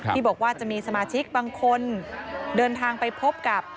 ที่บอกว่าจะมีสมาชิกบางคนเดินทางไปพบกับ